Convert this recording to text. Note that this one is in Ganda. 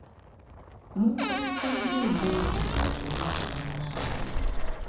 Munkozesezza emboozi endala nnyingi bannange.